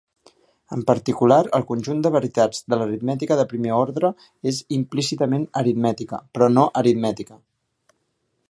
En particular, el conjunt de veritats de l'aritmètica de primer ordre és implícitament aritmètica, però no aritmètica.